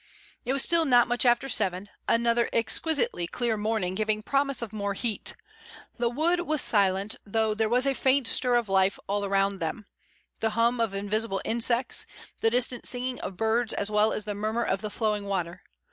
It was still not much after seven, another exquisitely clear morning giving promise of more heat. The wood was silent though there was a faint stir of life all around them, the hum of invisible insects, the distant singing of birds as well as the murmur of the flowing water.